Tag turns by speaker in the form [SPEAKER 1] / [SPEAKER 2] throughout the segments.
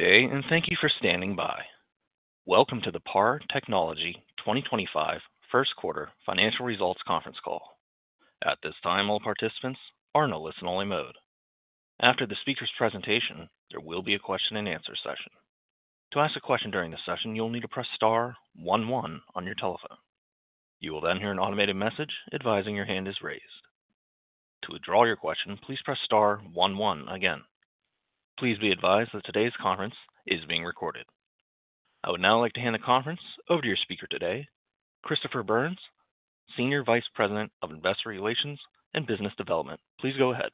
[SPEAKER 1] Good day, and thank you for standing by. Welcome to the PAR Technology 2025 first quarter financial results conference call. At this time, all participants are in a listen-only mode. After the speaker's presentation, there will be a question and answer session. To ask a question during the session, you'll need to press star one one on your telephone. You will then hear an automated message advising your hand is raised. To withdraw your question, please press star one one again. Please be advised that today's conference is being recorded. I would now like to hand the conference over to your speaker today, Christopher Byrnes, Senior Vice President of Investor Relations and Business Development. Please go ahead.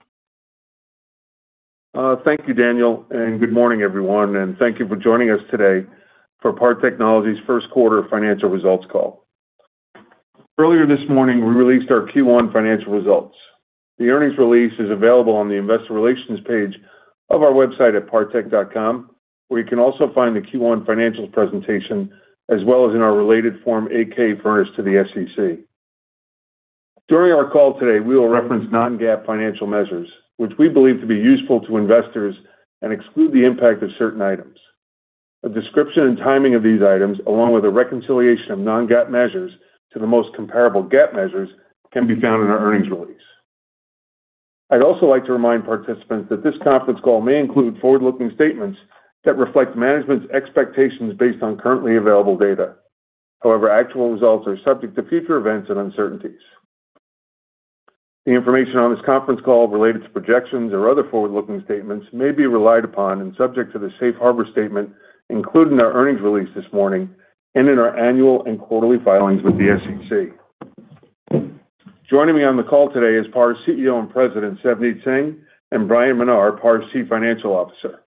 [SPEAKER 2] Thank you, Daniel, and good morning, everyone. Thank you for joining us today for PAR Technology's first quarter financial results call. Earlier this morning, we released our Q1 financial results. The earnings release is available on the Investor Relations page of our website at partech.com, where you can also find the Q1 financials presentation, as well as in our related Form 8-K, furnished to the SEC. During our call today, we will reference non-GAAP financial measures, which we believe to be useful to investors and exclude the impact of certain items. A description and timing of these items, along with a reconciliation of non-GAAP measures to the most comparable GAAP measures, can be found in our earnings release. I'd also like to remind participants that this conference call may include forward-looking statements that reflect management's expectations based on currently available data. However, actual results are subject to future events and uncertainties. The information on this conference call related to projections or other forward-looking statements may be relied upon and subject to the Safe Harbor Statement, included in our earnings release this morning and in our annual and quarterly filings with the SEC. Joining me on the call today is PAR CEO and President, Savneet Singh, and Bryan Menar, PAR Chief Financial Officer.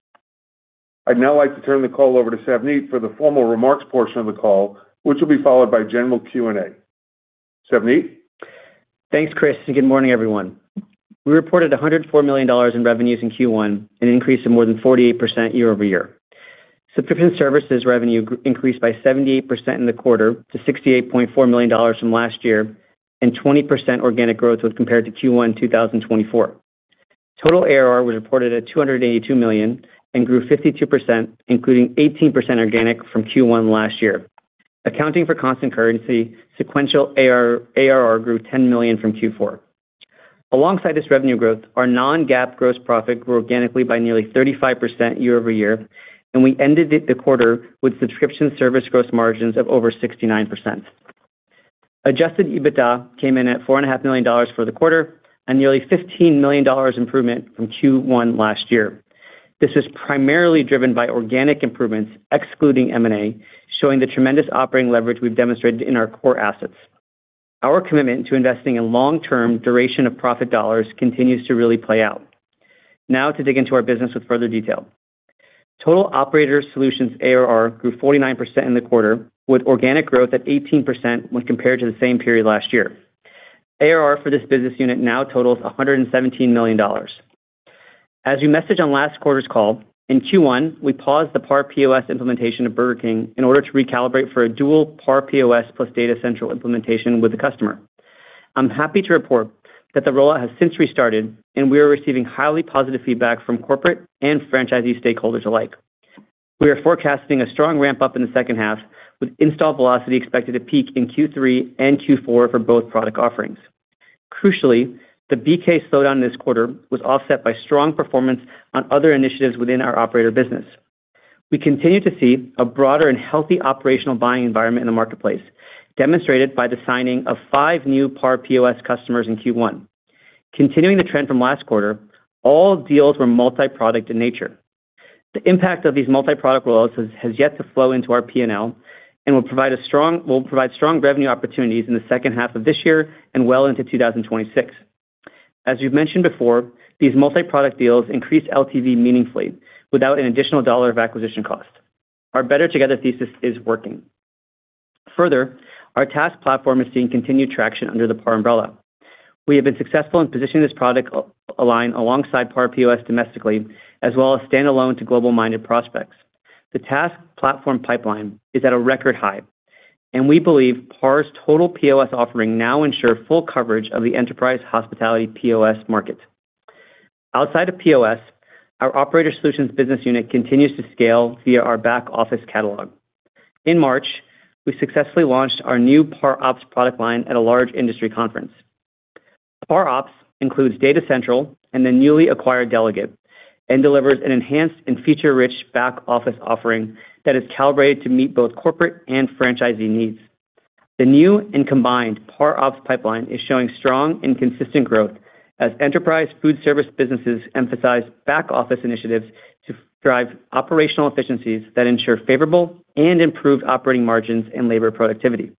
[SPEAKER 2] I'd now like to turn the call over to Savneet for the formal remarks portion of the call, which will be followed by general Q&A. Savneet?
[SPEAKER 3] Thanks, Chris, and good morning, everyone. We reported $104 million in revenues in Q1, an increase of more than 48% year-over-year. Subscription services revenue increased by 78% in the quarter to $68.4 million from last year and 20% organic growth when compared to Q1 2024. Total ARR was reported at $282 million and grew 52%, including 18% organic from Q1 last year. Accounting for constant currency, sequential ARR grew $10 million from Q4. Alongside this revenue growth, our non-GAAP gross profit grew organically by nearly 35% year-over-year, and we ended the quarter with subscription service gross margins of over 69%. Adjusted EBITDA came in at $4.5 million for the quarter and nearly $15 million improvement from Q1 last year. This was primarily driven by organic improvements, excluding M&A, showing the tremendous operating leverage we've demonstrated in our core assets. Our commitment to investing in long-term duration of profit dollars continues to really play out. Now to dig into our business with further detail. Total Operator Solutions ARR grew 49% in the quarter, with organic growth at 18% when compared to the same period last year. ARR for this business unit now totals $117 million. As we messaged on last quarter's call, in Q1, we paused the PAR POS implementation of Burger King in order to recalibrate for a dual PAR POS plus Data Central implementation with the customer. I'm happy to report that the rollout has since restarted, and we are receiving highly positive feedback from corporate and franchisee stakeholders alike. We are forecasting a strong ramp-up in the second half, with install velocity expected to peak in Q3 and Q4 for both product offerings. Crucially, the BK slowdown this quarter was offset by strong performance on other initiatives within our operator business. We continue to see a broader and healthy operational buying environment in the marketplace, demonstrated by the signing of five new PAR POS customers in Q1. Continuing the trend from last quarter, all deals were multi-product in nature. The impact of these multi-product rollouts has yet to flow into our P&L and will provide strong revenue opportunities in the second half of this year and well into 2026. As we've mentioned before, these multi-product deals increased LTV meaningfully without an additional dollar of acquisition cost. Our better together thesis is working. Further, our Task Platform is seeing continued traction under the PAR umbrella. We have been successful in positioning this product line alongside PAR POS domestically, as well as stand-alone to global-minded prospects. The Task Platform pipeline is at a record high, and we believe PAR's total POS offering now ensures full coverage of the enterprise hospitality POS market. Outside of POS, our Operator Solutions business unit continues to scale via our back office catalog. In March, we successfully launched our new PAR OPS product line at a large industry conference. PAR OPS includes Data Central and the newly acquired Delegate and delivers an enhanced and feature-rich back office offering that is calibrated to meet both corporate and franchisee needs. The new and combined PAR OPS pipeline is showing strong and consistent growth as enterprise food service businesses emphasize back office initiatives to drive operational efficiencies that ensure favorable and improved operating margins and labor productivity.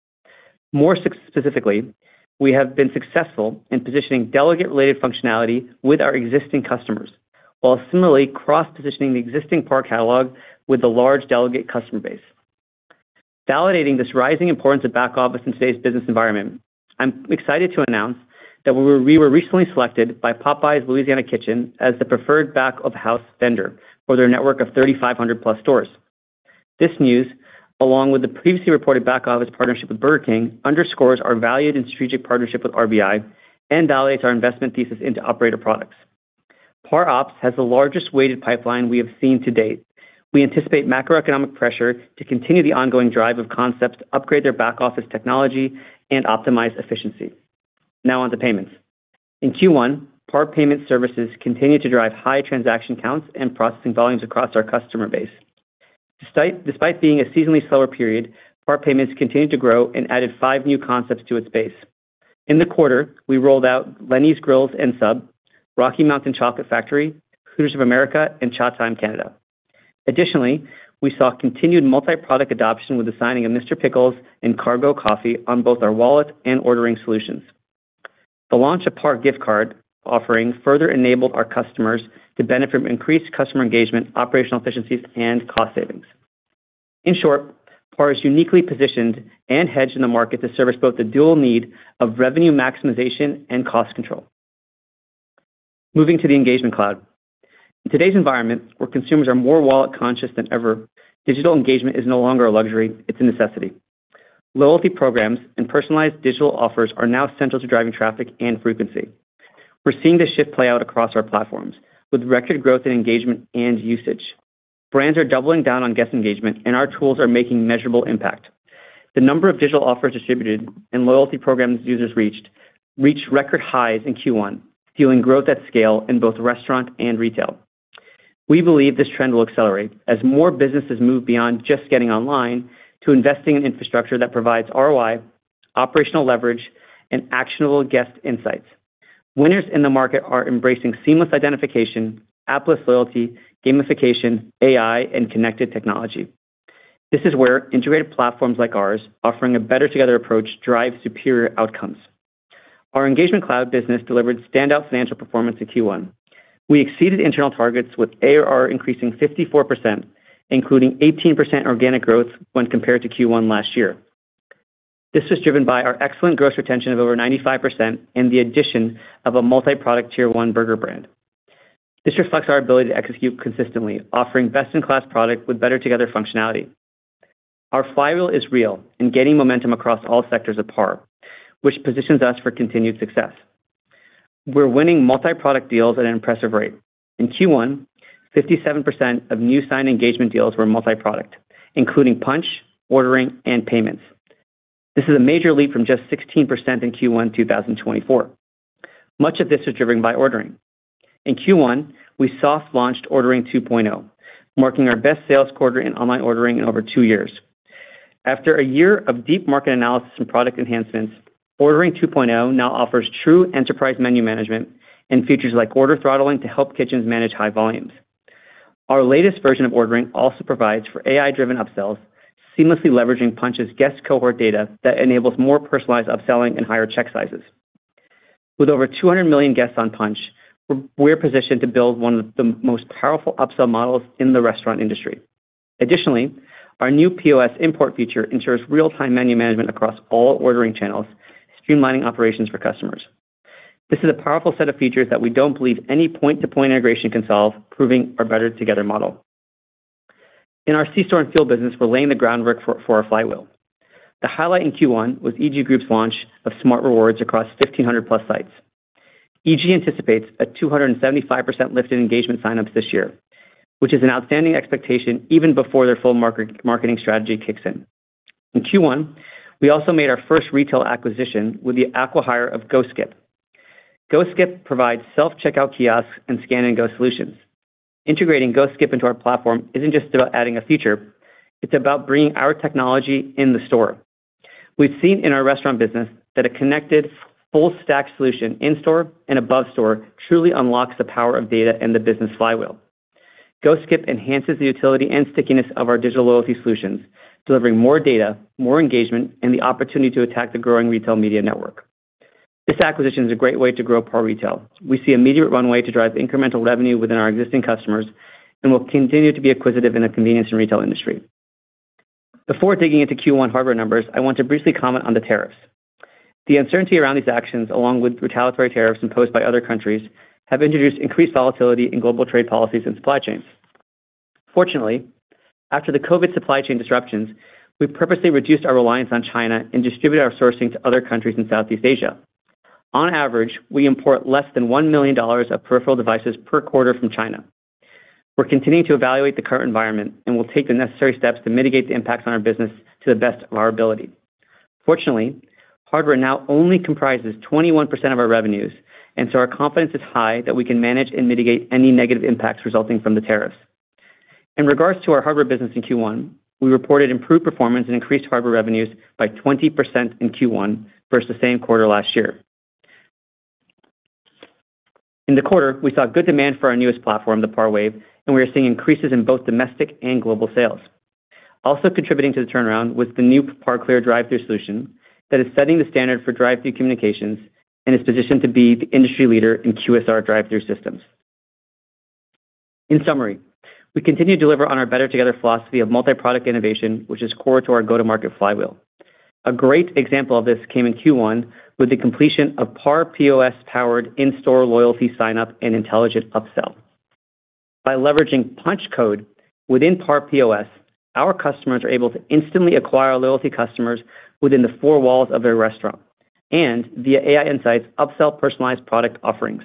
[SPEAKER 3] More specifically, we have been successful in positioning Delegate-related functionality with our existing customers, while similarly cross-positioning the existing PAR catalog with the large Delegate customer base. Validating this rising importance of back office in today's business environment, I'm excited to announce that we were recently selected by Popeyes Louisiana Kitchen as the preferred back-of-house vendor for their network of 3,500-plus stores. This news, along with the previously reported back-office partnership with Burger King, underscores our valued and strategic partnership with RBI and validates our investment thesis into operator products. PAR OPS has the largest weighted pipeline we have seen to date. We anticipate macroeconomic pressure to continue the ongoing drive of concepts to upgrade their back-office technology and optimize efficiency. Now on to payments. In Q1, PAR payment services continue to drive high transaction counts and processing volumes across our customer base. Despite being a seasonally slower period, PAR payments continue to grow and added five new concepts to its base. In the quarter, we rolled out Lenny's Grill & Subs, Rocky Mountain Chocolate Factory, Hooters of America, and ChaTime, Canada. Additionally, we saw continued multi-product adoption with the signing of Mr. Pickle's and Cargo Coffee on both our wallet and ordering solutions. The launch of PAR Gift Card offering further enabled our customers to benefit from increased customer engagement, operational efficiencies, and cost savings. In short, PAR is uniquely positioned and hedged in the market to service both the dual need of revenue maximization and cost control. Moving to the Engagement Cloud. In today's environment, where consumers are more wallet-conscious than ever, digital engagement is no longer a luxury; it's a necessity. Loyalty programs and personalized digital offers are now central to driving traffic and frequency. We're seeing this shift play out across our platforms with record growth in engagement and usage. Brands are doubling down on guest engagement, and our tools are making measurable impact. The number of digital offers distributed and loyalty programs users reached record highs in Q1, fueling growth at scale in both restaurant and retail. We believe this trend will accelerate as more businesses move beyond just getting online to investing in infrastructure that provides ROI, operational leverage, and actionable guest insights. Winners in the market are embracing seamless identification, app-less loyalty, gamification, AI, and connected technology. This is where integrated platforms like ours, offering a better together approach, drive superior outcomes. Our Engagement Cloud business delivered standout financial performance in Q1. We exceeded internal targets with ARR increasing 54%, including 18% organic growth when compared to Q1 last year. This was driven by our excellent gross retention of over 95% and the addition of a multi-product Tier 1 burger brand. This reflects our ability to execute consistently, offering best-in-class product with better together functionality. Our flywheel is real and gaining momentum across all sectors of PAR, which positions us for continued success. We're winning multi-product deals at an impressive rate. In Q1, 57% of new signed engagement deals were multi-product, including Punch, Ordering, and payments. This is a major leap from just 16% in Q1 2024. Much of this was driven by Ordering. In Q1, we soft-launched Ordering 2.0, marking our best sales quarter in online ordering in over two years. After a year of deep market analysis and product enhancements, Ordering 2.0 now offers true enterprise menu management and features like order throttling to help kitchens manage high volumes. Our latest version of Ordering also provides for AI-driven upsells, seamlessly leveraging Punch's guest cohort data that enables more personalized upselling and higher check sizes. With over 200 million guests on Punch, we're positioned to build one of the most powerful upsell models in the restaurant industry. Additionally, our new POS import feature ensures real-time menu management across all ordering channels, streamlining operations for customers. This is a powerful set of features that we don't believe any point-to-point integration can solve, proving our better together model. In our sea-storm field business, we're laying the groundwork for our flywheel. The highlight in Q1 was EG Group's launch of smart rewards across 1,500-plus sites. EG anticipates a 275% lift in engagement sign-ups this year, which is an outstanding expectation even before their full marketing strategy kicks in. In Q1, we also made our first retail acquisition with the acqui-hire of GoSkip. GoSkip provides self-checkout kiosks and scan-and-go solutions. Integrating GoSkip into our platform isn't just about adding a feature; it's about bringing our technology in the store. We've seen in our restaurant business that a connected full-stack solution in-store and above-store truly unlocks the power of data and the business flywheel. GoSkip enhances the utility and stickiness of our digital loyalty solutions, delivering more data, more engagement, and the opportunity to attack the growing retail media network. This acquisition is a great way to grow PAR retail. We see immediate runway to drive incremental revenue within our existing customers and will continue to be acquisitive in the convenience and retail industry. Before digging into Q1 hardware numbers, I want to briefly comment on the tariffs. The uncertainty around these actions, along with retaliatory tariffs imposed by other countries, have introduced increased volatility in global trade policies and supply chains. Fortunately, after the COVID supply chain disruptions, we've purposely reduced our reliance on China and distributed our sourcing to other countries in Southeast Asia. On average, we import less than $1 million of peripheral devices per quarter from China. We're continuing to evaluate the current environment and will take the necessary steps to mitigate the impacts on our business to the best of our ability. Fortunately, hardware now only comprises 21% of our revenues, and so our confidence is high that we can manage and mitigate any negative impacts resulting from the tariffs. In regards to our hardware business in Q1, we reported improved performance and increased hardware revenues by 20% in Q1 versus the same quarter last year. In the quarter, we saw good demand for our newest platform, the PAR Wave, and we are seeing increases in both domestic and global sales. Also contributing to the turnaround was the new PAR Clear drive-through solution that is setting the standard for drive-through communications and is positioned to be the industry leader in QSR drive-through systems. In summary, we continue to deliver on our better together philosophy of multi-product innovation, which is core to our go-to-market flywheel. A great example of this came in Q1 with the completion of PAR POS-powered in-store loyalty sign-up and intelligent upsell. By leveraging Punch Code within PAR POS, our customers are able to instantly acquire loyalty customers within the four walls of their restaurant and via AI insights, upsell personalized product offerings.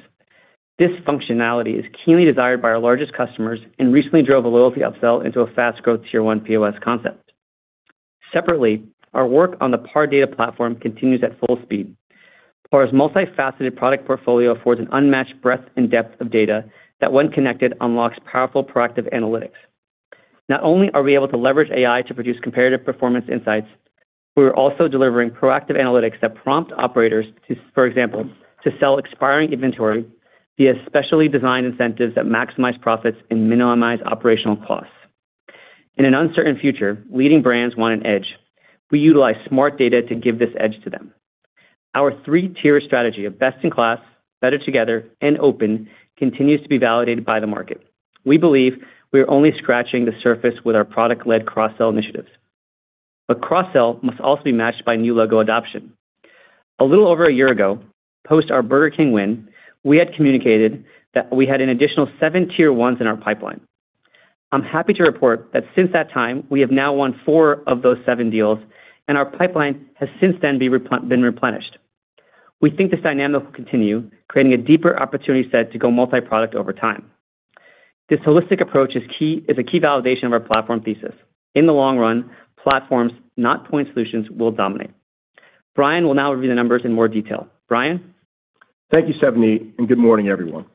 [SPEAKER 3] This functionality is keenly desired by our largest customers and recently drove a loyalty upsell into a fast-growth Tier 1 POS concept. Separately, our work on the PAR data platform continues at full speed. PAR's multi-faceted product portfolio affords an unmatched breadth and depth of data that, when connected, unlocks powerful proactive analytics. Not only are we able to leverage AI to produce comparative performance insights, we are also delivering proactive analytics that prompt operators, for example, to sell expiring inventory via specially designed incentives that maximize profits and minimize operational costs. In an uncertain future, leading brands want an edge. We utilize smart data to give this edge to them. Our three-tier strategy of best-in-class, better together, and open continues to be validated by the market. We believe we are only scratching the surface with our product-led cross-sell initiatives. Cross-sell must also be matched by new logo adoption. A little over a year ago, post our Burger King win, we had communicated that we had an additional seven Tier 1s in our pipeline. I'm happy to report that since that time, we have now won four of those seven deals, and our pipeline has since then been replenished. We think this dynamic will continue, creating a deeper opportunity set to go multi-product over time. This holistic approach is a key validation of our platform thesis. In the long run, platforms, not point solutions, will dominate. Bryan will now review the numbers in more detail. Bryan?
[SPEAKER 4] Thank you, Savneet, and good morning, everyone.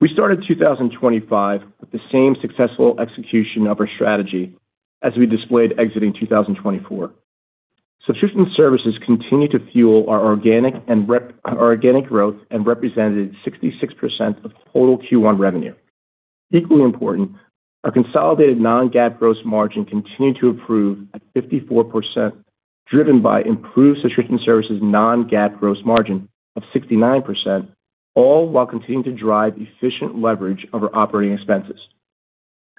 [SPEAKER 4] We started 2025 with the same successful execution of our strategy as we displayed exiting 2024. Subscription services continue to fuel our organic growth and represented 66% of total Q1 revenue. Equally important, our consolidated non-GAAP gross margin continued to improve at 54%, driven by improved subscription services' non-GAAP gross margin of 69%, all while continuing to drive efficient leverage of our operating expenses.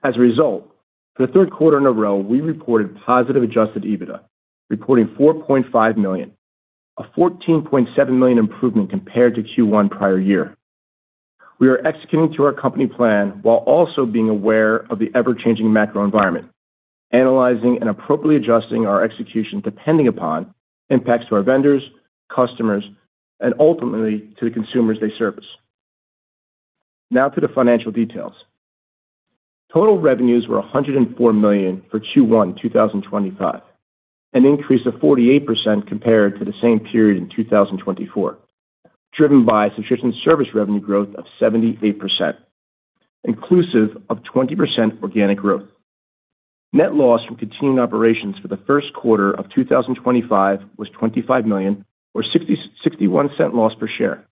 [SPEAKER 4] As a result, for the third quarter in a row, we reported positive adjusted EBITDA, reporting $4.5 million, a $14.7 million improvement compared to Q1 prior year. We are executing to our company plan while also being aware of the ever-changing macro environment, analyzing and appropriately adjusting our execution depending upon impacts to our vendors, customers, and ultimately to the consumers they service. Now to the financial details. Total revenues were $104 million for Q1 2025, an increase of 48% compared to the same period in 2024, driven by subscription service revenue growth of 78%, inclusive of 20% organic growth. Net loss from continuing operations for the first quarter of 2025 was $25 million, or $0.61 loss per share,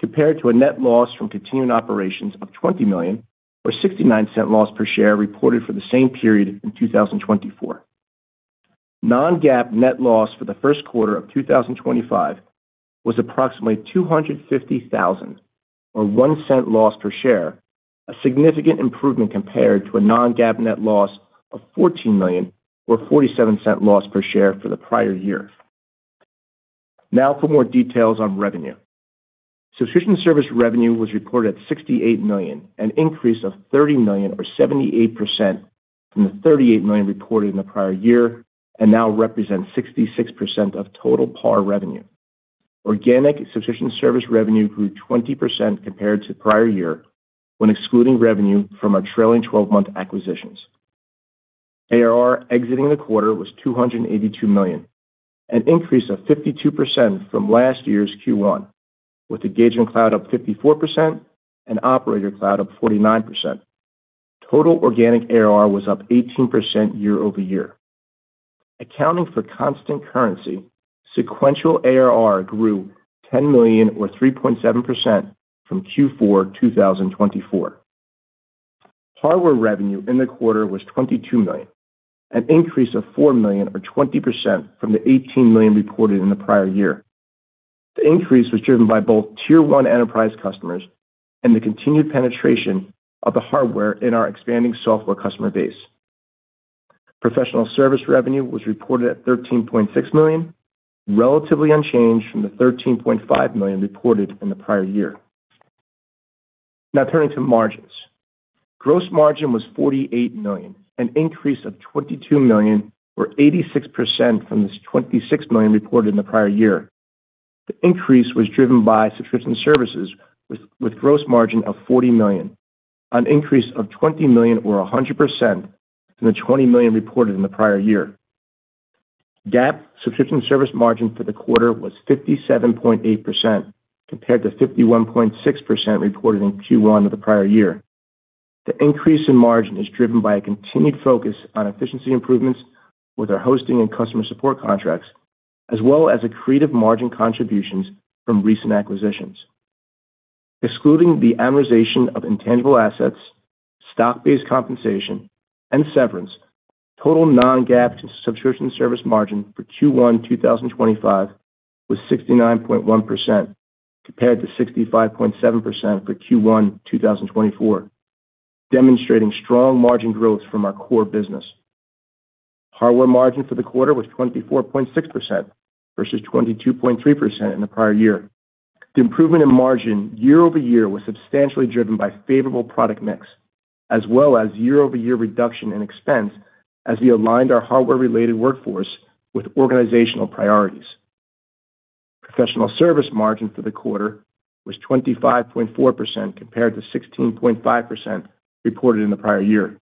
[SPEAKER 4] compared to a net loss from continuing operations of $20 million, or $0.69 loss per share reported for the same period in 2024. Non-GAAP net loss for the first quarter of 2025 was approximately $250,000, or $0.01 loss per share, a significant improvement compared to a non-GAAP net loss of $14 million, or $0.47 loss per share for the prior year. Now for more details on revenue. Subscription service revenue was reported at $68 million, an increase of $30 million, or 78% from the $38 million reported in the prior year, and now represents 66% of total PAR revenue. Organic subscription service revenue grew 20% compared to the prior year when excluding revenue from our trailing 12-month acquisitions. ARR exiting the quarter was $282 million, an increase of 52% from last year's Q1, with Engagement Cloud up 54% and Operator Cloud up 49%. Total organic ARR was up 18% year-over-year. Accounting for constant currency, sequential ARR grew $10 million, or 3.7%, from Q4 2024. Hardware revenue in the quarter was $22 million, an increase of $4 million, or 20% from the $18 million reported in the prior year. The increase was driven by both Tier 1 enterprise customers and the continued penetration of the hardware in our expanding software customer base. Professional service revenue was reported at $13.6 million, relatively unchanged from the $13.5 million reported in the prior year. Now turning to margins. Gross margin was $48 million, an increase of $22 million, or 86% from the $26 million reported in the prior year. The increase was driven by subscription services with gross margin of $40 million, an increase of $20 million, or 100%, from the $20 million reported in the prior year. GAAP subscription service margin for the quarter was 57.8% compared to 51.6% reported in Q1 of the prior year. The increase in margin is driven by a continued focus on efficiency improvements with our hosting and customer support contracts, as well as accretive margin contributions from recent acquisitions. Excluding the amortization of intangible assets, stock-based compensation, and severance, total non-GAAP subscription service margin for Q1 2025 was 69.1% compared to 65.7% for Q1 2024, demonstrating strong margin growth from our core business. Hardware margin for the quarter was 24.6% versus 22.3% in the prior year. The improvement in margin year-over-year was substantially driven by favorable product mix, as well as year-over-year reduction in expense as we aligned our hardware-related workforce with organizational priorities. Professional service margin for the quarter was 25.4% compared to 16.5% reported in the prior year.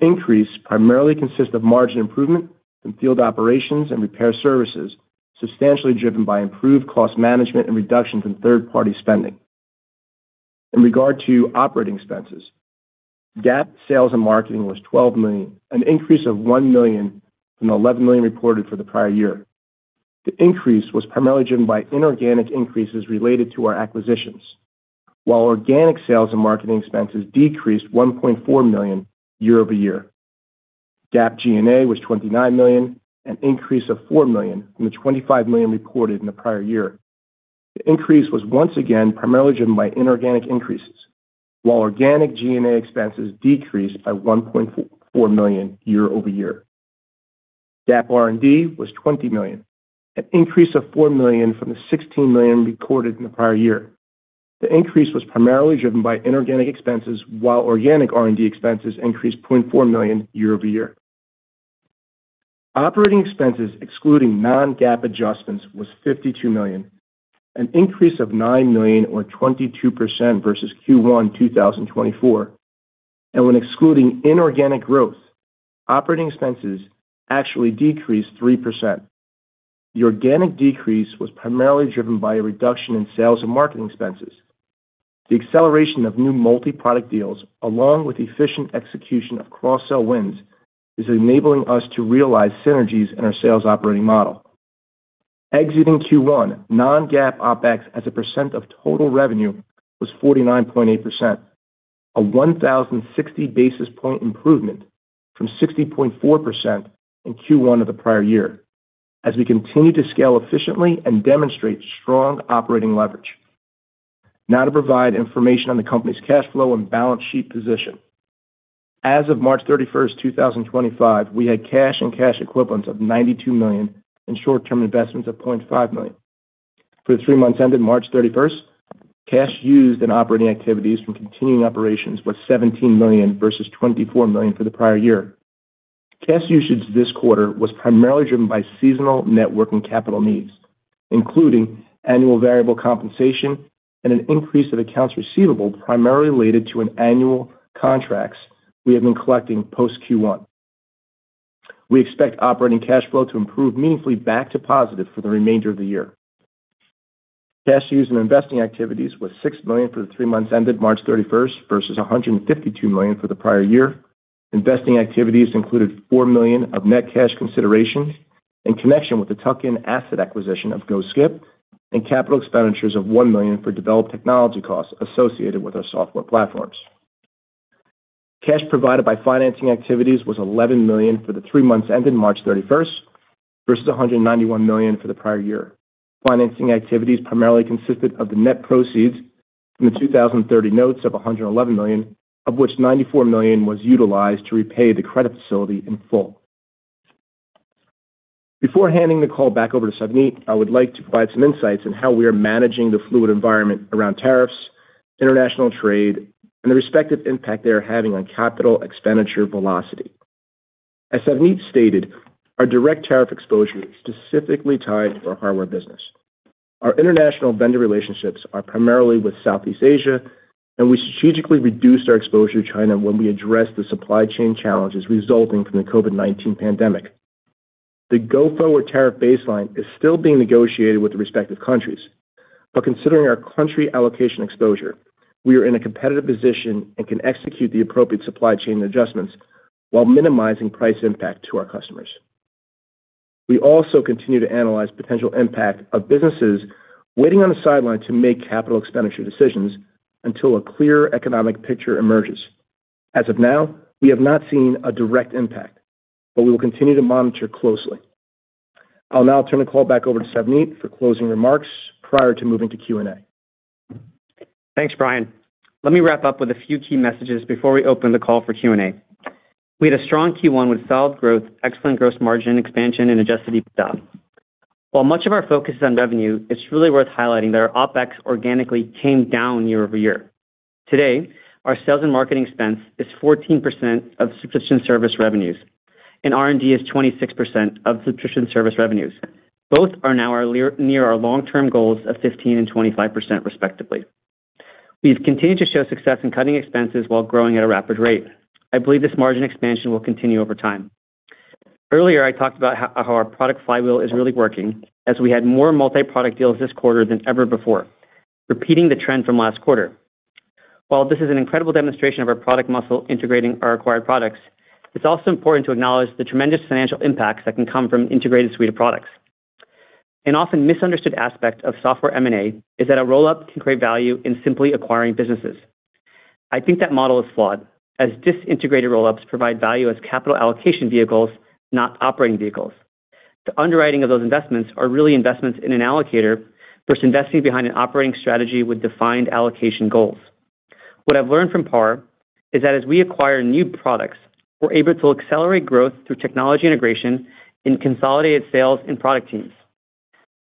[SPEAKER 4] The increase primarily consists of margin improvement from field operations and repair services, substantially driven by improved cost management and reduction from third-party spending. In regard to operating expenses, GAAP sales and marketing was $12 million, an increase of $1 million from the $11 million reported for the prior year. The increase was primarily driven by inorganic increases related to our acquisitions, while organic sales and marketing expenses decreased $1.4 million year-over-year. GAAP G&A was $29 million, an increase of $4 million from the $25 million reported in the prior year. The increase was once again primarily driven by inorganic increases, while organic G&A expenses decreased by $1.4 million year-over-year. GAAP R&D was $20 million, an increase of $4 million from the $16 million recorded in the prior year. The increase was primarily driven by inorganic expenses, while organic R&D expenses increased $0.4 million year-over-year. Operating expenses, excluding non-GAAP adjustments, was $52 million, an increase of $9 million, or 22% versus Q1 2024. When excluding inorganic growth, operating expenses actually decreased 3%. The organic decrease was primarily driven by a reduction in sales and marketing expenses. The acceleration of new multi-product deals, along with efficient execution of cross-sell wins, is enabling us to realize synergies in our sales operating model. Exiting Q1, non-GAAP OPEX as a percent of total revenue was 49.8%, a 1,060 basis point improvement from 60.4% in Q1 of the prior year, as we continue to scale efficiently and demonstrate strong operating leverage. Now to provide information on the company's cash flow and balance sheet position. As of March 31, 2025, we had cash and cash equivalents of $92 million and short-term investments of $0.5 million. For the three months ended March 31, cash used in operating activities from continuing operations was $17 million versus $24 million for the prior year. Cash usage this quarter was primarily driven by seasonal networking capital needs, including annual variable compensation and an increase of accounts receivable primarily related to annual contracts we have been collecting post Q1. We expect operating cash flow to improve meaningfully back to positive for the remainder of the year. Cash used in investing activities was $6 million for the three months ended March 31 versus $152 million for the prior year. Investing activities included $4 million of net cash consideration in connection with the tuck-in asset acquisition of GoSkip and capital expenditures of $1 million for developed technology costs associated with our software platforms. Cash provided by financing activities was $11 million for the three months ended March 31 versus $191 million for the prior year. Financing activities primarily consisted of the net proceeds from the 2030 notes of $111 million, of which $94 million was utilized to repay the credit facility in full. Before handing the call back over to Savneet, I would like to provide some insights on how we are managing the fluid environment around tariffs, international trade, and the respective impact they are having on capital expenditure velocity. As Savneet stated, our direct tariff exposure is specifically tied to our hardware business. Our international vendor relationships are primarily with Southeast Asia, and we strategically reduced our exposure to China when we addressed the supply chain challenges resulting from the COVID-19 pandemic. The GOFO tariff baseline is still being negotiated with the respective countries, but considering our country allocation exposure, we are in a competitive position and can execute the appropriate supply chain adjustments while minimizing price impact to our customers. We also continue to analyze potential impact of businesses waiting on the sideline to make capital expenditure decisions until a clear economic picture emerges. As of now, we have not seen a direct impact, but we will continue to monitor closely. I'll now turn the call back over to Savneet for closing remarks prior to moving to Q&A.
[SPEAKER 3] Thanks, Bryan. Let me wrap up with a few key messages before we open the call for Q&A. We had a strong Q1 with solid growth, excellent gross margin expansion, and adjusted EBITDA. While much of our focus is on revenue, it's really worth highlighting that our OPEX organically came down year-over-year. Today, our sales and marketing expense is 14% of subscription service revenues, and R&D is 26% of subscription service revenues. Both are now near our long-term goals of 15% and 25%, respectively. We've continued to show success in cutting expenses while growing at a rapid rate. I believe this margin expansion will continue over time. Earlier, I talked about how our product flywheel is really working as we had more multi-product deals this quarter than ever before, repeating the trend from last quarter. While this is an incredible demonstration of our product muscle integrating our acquired products, it's also important to acknowledge the tremendous financial impacts that can come from an integrated suite of products. An often misunderstood aspect of software M&A is that a roll-up can create value in simply acquiring businesses. I think that model is flawed, as disintegrated roll-ups provide value as capital allocation vehicles, not operating vehicles. The underwriting of those investments are really investments in an allocator versus investing behind an operating strategy with defined allocation goals. What I've learned from PAR is that as we acquire new products, we're able to accelerate growth through technology integration and consolidated sales and product teams.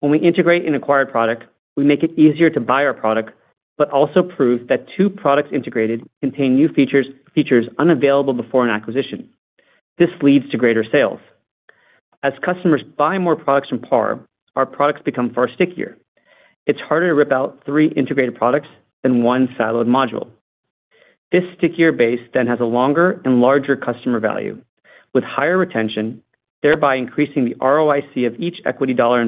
[SPEAKER 3] When we integrate an acquired product, we make it easier to buy our product, but also prove that two products integrated contain new features unavailable before an acquisition. This leads to greater sales. As customers buy more products from PAR, our products become far stickier. It's harder to rip out three integrated products than one siloed module. This stickier base then has a longer and larger customer value, with higher retention, thereby increasing the ROIC of each equity dollar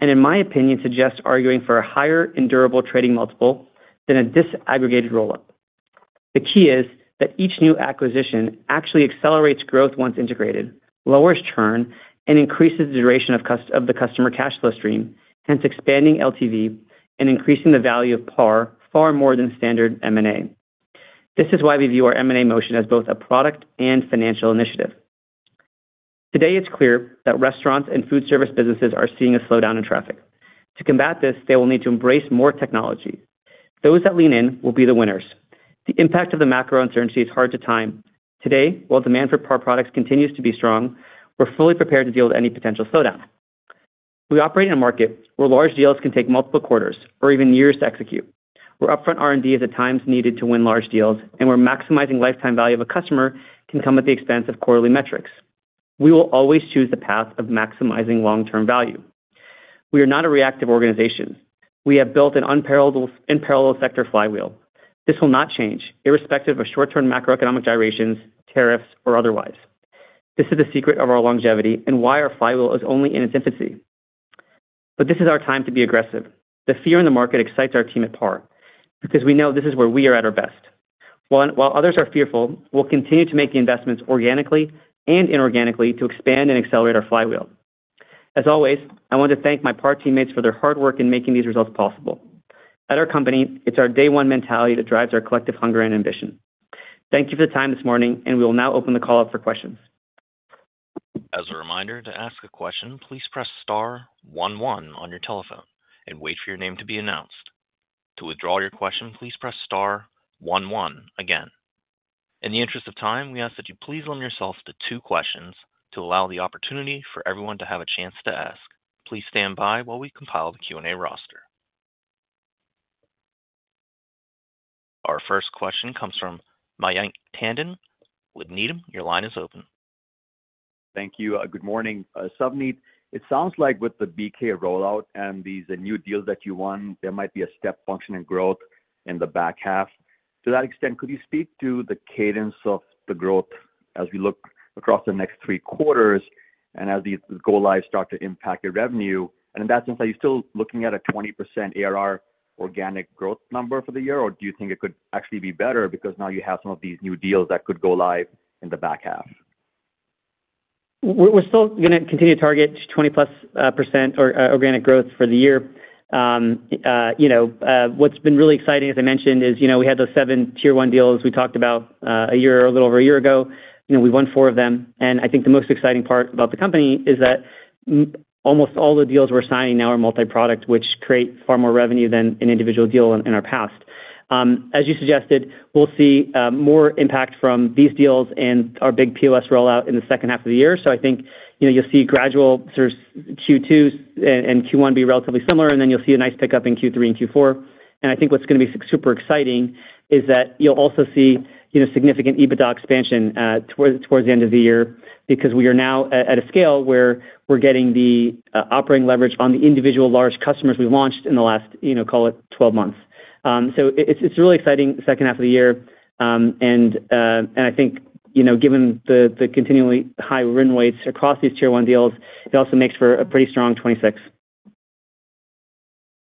[SPEAKER 3] invested, and in my opinion, suggests arguing for a higher and durable trading multiple than a disaggregated roll-up. The key is that each new acquisition actually accelerates growth once integrated, lowers churn, and increases the duration of the customer cash flow stream, hence expanding LTV and increasing the value of PAR far more than standard M&A. This is why we view our M&A motion as both a product and financial initiative. Today, it's clear that restaurants and food service businesses are seeing a slowdown in traffic. To combat this, they will need to embrace more technology. Those that lean in will be the winners. The impact of the macro uncertainty is hard to time. Today, while demand for PAR products continues to be strong, we're fully prepared to deal with any potential slowdown. We operate in a market where large deals can take multiple quarters or even years to execute. We're upfront R&D is at times needed to win large deals, and where maximizing lifetime value of a customer can come at the expense of quarterly metrics. We will always choose the path of maximizing long-term value. We are not a reactive organization. We have built an unparalleled sector flywheel. This will not change, irrespective of short-term macroeconomic gyrations, tariffs, or otherwise. This is the secret of our longevity and why our flywheel is only in its infancy. This is our time to be aggressive. The fear in the market excites our team at PAR because we know this is where we are at our best. While others are fearful, we'll continue to make the investments organically and inorganically to expand and accelerate our flywheel. As always, I want to thank my PAR teammates for their hard work in making these results possible. At our company, it's our day-one mentality that drives our collective hunger and ambition. Thank you for the time this morning, and we will now open the call up for questions.
[SPEAKER 1] As a reminder, to ask a question, please press star one one on your telephone and wait for your name to be announced. To withdraw your question, please press star one one again. In the interest of time, we ask that you please limit yourself to two questions to allow the opportunity for everyone to have a chance to ask. Please stand by while we compile the Q&A roster. Our first question comes from Mayank Tandon with Needham. Your line is open.
[SPEAKER 5] Thank you. Good morning. It sounds like with the BK rollout and these new deals that you won, there might be a step function in growth in the back half. To that extent, could you speak to the cadence of the growth as we look across the next three quarters and as the go-lives start to impact your revenue? In that sense, are you still looking at a 20% ARR organic growth number for the year, or do you think it could actually be better because now you have some of these new deals that could go live in the back half?
[SPEAKER 3] We're still going to continue to target 20+% organic growth for the year. What's been really exciting, as I mentioned, is we had those seven tier-one deals we talked about a year or a little over a year ago. We won four of them. I think the most exciting part about the company is that almost all the deals we're signing now are multi-product, which create far more revenue than an individual deal in our past. As you suggested, we'll see more impact from these deals and our big POS rollout in the second half of the year. I think you'll see gradual Q2 and Q1 be relatively similar, and then you'll see a nice pickup in Q3 and Q4. I think what's going to be super exciting is that you'll also see significant EBITDA expansion towards the end of the year because we are now at a scale where we're getting the operating leverage on the individual large customers we launched in the last, call it, 12 months. It's a really exciting second half of the year. I think given the continually high win rates across these tier-one deals, it also makes for a pretty strong 2026.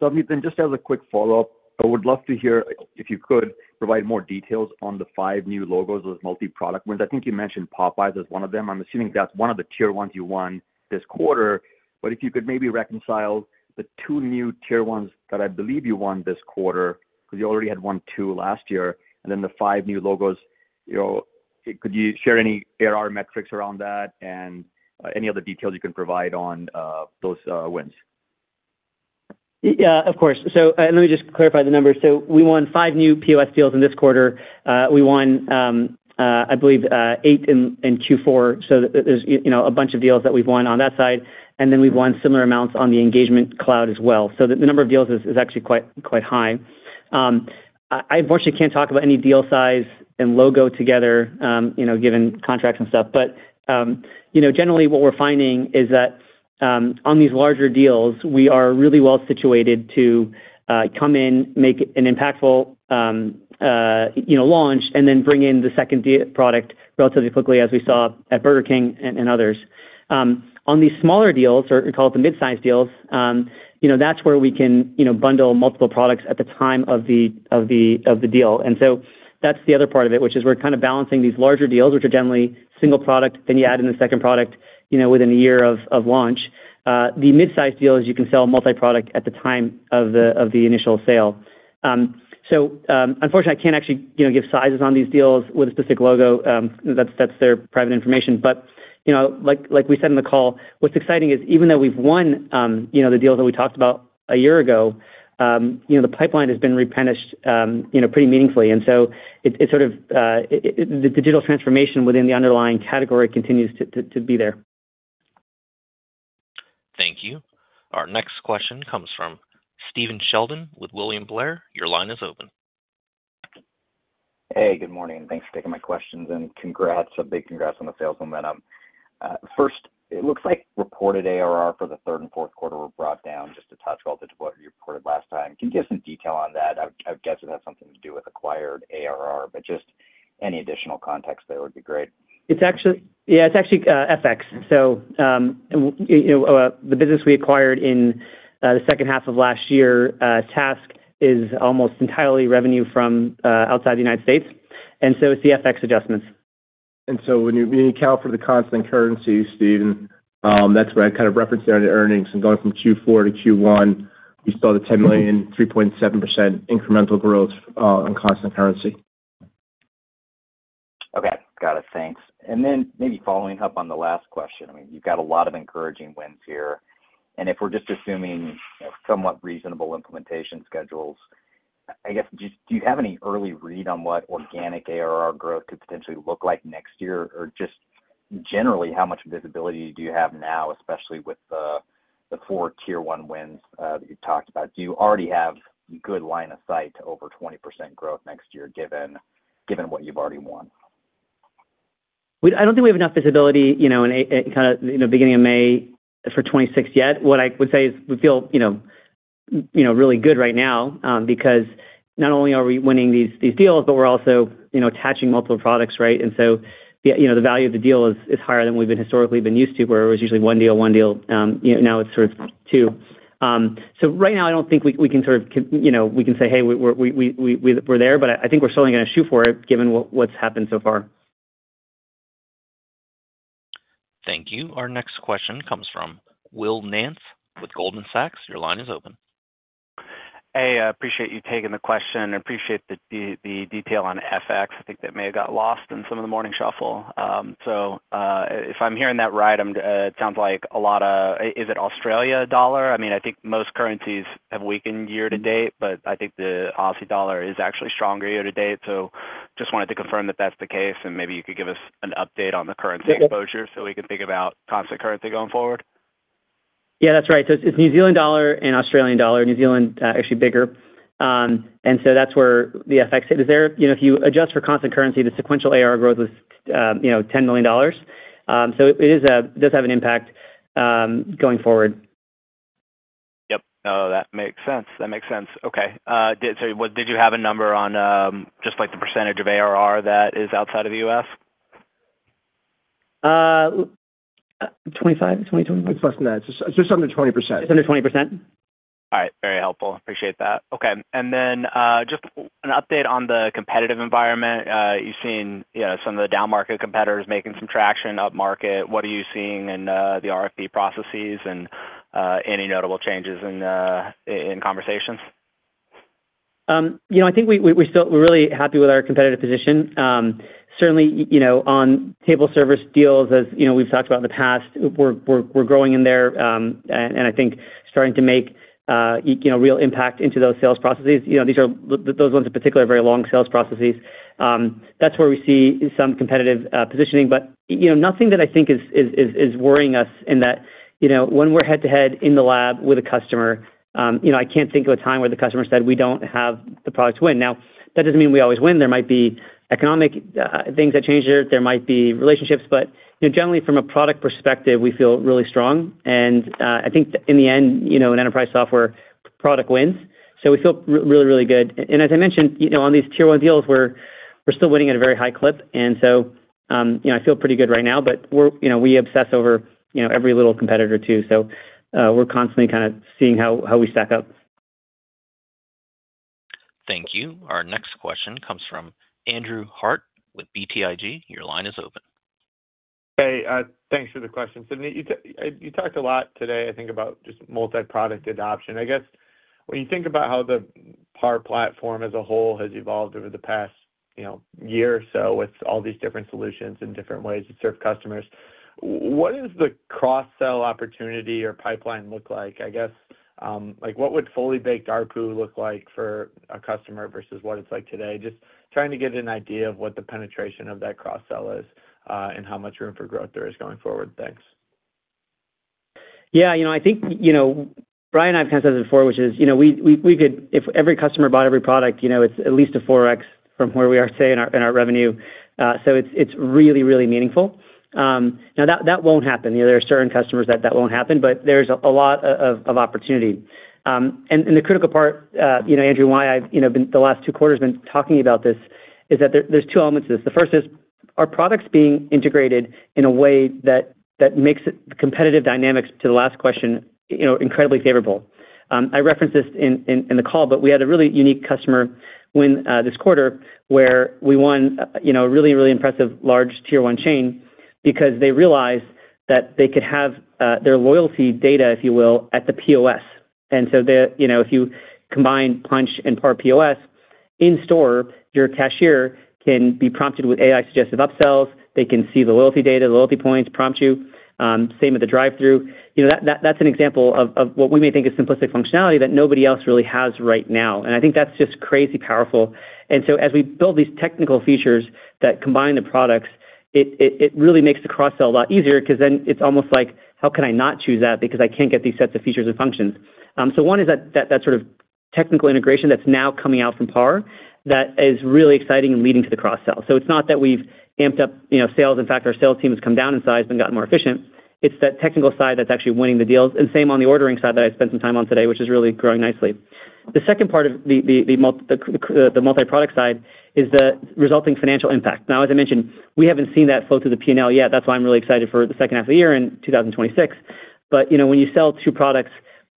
[SPEAKER 5] Savneet, just as a quick follow-up, I would love to hear if you could provide more details on the five new logos of those multi-product wins. I think you mentioned Popeyes as one of them. I'm assuming that's one of the tier ones you won this quarter. If you could maybe reconcile the two new tier ones that I believe you won this quarter because you already had won two last year and then the five new logos, could you share any ARR metrics around that and any other details you can provide on those wins?
[SPEAKER 3] Yeah, of course. Let me just clarify the numbers. We won five new POS deals in this quarter. We won, I believe, eight in Q4. There is a bunch of deals that we've won on that side. We've won similar amounts on the Engagement Cloud as well. The number of deals is actually quite high. I unfortunately can't talk about any deal size and logo together given contracts and stuff. Generally, what we're finding is that on these larger deals, we are really well situated to come in, make an impactful launch, and then bring in the second product relatively quickly, as we saw at Burger King and others. On these smaller deals, or we call it the mid-size deals, that's where we can bundle multiple products at the time of the deal. That's the other part of it, which is we're kind of balancing these larger deals, which are generally single product, then you add in the second product within a year of launch. The mid-size deals, you can sell multi-product at the time of the initial sale. Unfortunately, I can't actually give sizes on these deals with a specific logo. That's their private information. Like we said in the call, what's exciting is even though we've won the deals that we talked about a year ago, the pipeline has been replenished pretty meaningfully. It is sort of the digital transformation within the underlying category continues to be there.
[SPEAKER 1] Thank you. Our next question comes from Stephen Sheldon with William Blair. Your line is open.
[SPEAKER 6] Hey, good morning. Thanks for taking my questions and a big congrats on the sales momentum. First, it looks like reported ARR for the third and fourth quarter were brought down just a touch all the debt reported last time. Can you give some detail on that? I would guess it has something to do with acquired ARR, but just any additional context there would be great.
[SPEAKER 3] Yeah, it's actually FX. So the business we acquired in the second half of last year's task is almost entirely revenue from outside the United States. And so it's the FX adjustments.
[SPEAKER 4] And so when you account for the constant currency, Stephen, that's where I kind of referenced earnings. And going from Q4 to Q1, you saw the $10 million, 3.7% incremental growth on constant currency.
[SPEAKER 6] Okay. Got it. Thanks. And then maybe following up on the last question, I mean, you've got a lot of encouraging wins here. And if we're just assuming somewhat reasonable implementation schedules, I guess, do you have any early read on what organic ARR growth could potentially look like next year? Or just generally, how much visibility do you have now, especially with the four tier-one wins that you've talked about? Do you already have a good line of sight to over 20% growth next year given what you've already won?
[SPEAKER 3] I don't think we have enough visibility in the beginning of May for 2026 yet. What I would say is we feel really good right now because not only are we winning these deals, but we're also attaching multiple products, right? And so the value of the deal is higher than we've historically been used to, where it was usually one deal, one deal. Now it's sort of two. Right now, I don't think we can sort of we can say, "Hey, we're there," but I think we're certainly going to shoot for it given what's happened so far.
[SPEAKER 1] Thank you. Our next question comes from Will Nance with Goldman Sachs. Your line is open.
[SPEAKER 7] Hey, I appreciate you taking the question. I appreciate the detail on FX. I think that may have got lost in some of the morning shuffle. If I'm hearing that right, it sounds like a lot of it is Australian dollar? I mean, I think most currencies have weakened year to date, but I think the Australian dollar is actually stronger year to date. I just wanted to confirm that that's the case and maybe you could give us an update on the currency exposure so we can think about constant currency going forward.
[SPEAKER 3] Yeah, that's right. It is New Zealand dollar and Australian dollar. New Zealand is actually bigger, and so that's where the FX is. If you adjust for constant currency, the sequential ARR growth was $10 million. It does have an impact going forward.
[SPEAKER 7] Yep. No, that makes sense. That makes sense. Okay. Did you have a number on just the percentage of ARR that is outside of the U.S.?
[SPEAKER 3] 25, 20, 25. It's less than that. It's just under 20%. It's under 20%.
[SPEAKER 7] All right. Very helpful. Appreciate that. Okay. Just an update on the competitive environment. You've seen some of the down market competitors making some traction up market. What are you seeing in the RFP processes and any notable changes in conversations?
[SPEAKER 3] I think we're really happy with our competitive position. Certainly, on table service deals, as we've talked about in the past, we're growing in there. I think starting to make real impact into those sales processes. Those ones in particular are very long sales processes. That's where we see some competitive positioning. Nothing that I think is worrying us in that when we're head-to-head in the lab with a customer, I can't think of a time where the customer said, "We don't have the product to win." That doesn't mean we always win. There might be economic things that change there. There might be relationships. Generally, from a product perspective, we feel really strong. I think in the end, an enterprise software product wins. We feel really, really good. As I mentioned, on these tier-one deals, we're still winning at a very high clip. I feel pretty good right now. We obsess over every little competitor too. We're constantly kind of seeing how we stack up.
[SPEAKER 1] Thank you. Our next question comes from Andrew Hart with BTIG. Your line is open.
[SPEAKER 8] Hey, thanks for the question. You talked a lot today, I think, about just multi-product adoption. I guess when you think about how the PAR platform as a whole has evolved over the past year or so with all these different solutions and different ways to serve customers, what does the cross-sell opportunity or pipeline look like? I guess what would fully baked ARPU look like for a customer versus what it is like today? Just trying to get an idea of what the penetration of that cross-sell is and how much room for growth there is going forward. Thanks. Yeah. I think Bryan and I have kind of said this before, which is we could, if every customer bought every product, it is at least a 4X from where we are today in our revenue. It is really, really meaningful. Now, that will not happen. There are certain customers that won't happen, but there's a lot of opportunity. The critical part, Andrew, and why I've been the last two quarters been talking about this is that there's two elements to this. The first is our products being integrated in a way that makes the competitive dynamics to the last question incredibly favorable. I referenced this in the call, but we had a really unique customer win this quarter where we won a really, really impressive large tier-one chain because they realized that they could have their loyalty data, if you will, at the POS. If you combine Punch and PAR POS in store, your cashier can be prompted with AI-suggestive upsells. They can see the loyalty data, the loyalty points, prompt you. Same with the drive-thru. That's an example of what we may think is simplistic functionality that nobody else really has right now. I think that's just crazy powerful. As we build these technical features that combine the products, it really makes the cross-sell a lot easier because then it's almost like, "How can I not choose that because I can't get these sets of features and functions?" One is that sort of technical integration that's now coming out from PAR that is really exciting and leading to the cross-sell. It's not that we've amped up sales. In fact, our sales team has come down in size and gotten more efficient. It's that technical side that's actually winning the deals. Same on the ordering side that I spent some time on today, which is really growing nicely. The second part of the multi-product side is the resulting financial impact. Now, as I mentioned, we haven't seen that flow through the P&L yet. That's why I'm really excited for the second half of the year in 2026. When you sell two products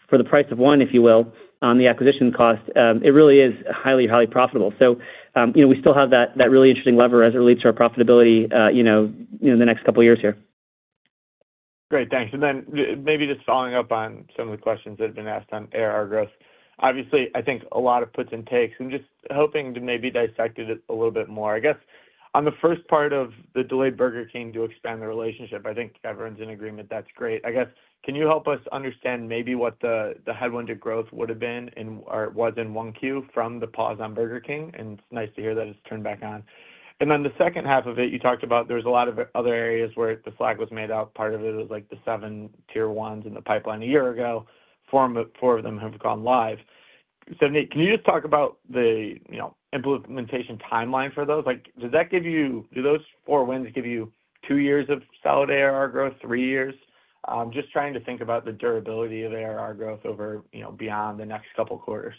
[SPEAKER 8] for the price of one, if you will, on the acquisition cost, it really is highly, highly profitable. We still have that really interesting lever as it relates to our profitability in the next couple of years here. Great. Thanks. Maybe just following up on some of the questions that have been asked on ARR growth. Obviously, I think a lot of puts and takes. I'm just hoping to maybe dissect it a little bit more. I guess on the first part of the delayed Burger King to expand the relationship, I think everyone's in agreement. That's great. I guess, can you help us understand maybe what the headwind to growth would have been or was in one Q from the pause on Burger King? It's nice to hear that it's turned back on. The second half of it, you talked about there was a lot of other areas where the flag was made out. Part of it was like the seven tier ones in the pipeline a year ago. Four of them have gone live. Can you just talk about the implementation timeline for those? Do those four wins give you two years of solid ARR growth, three years? Just trying to think about the durability of ARR growth beyond the next couple of quarters.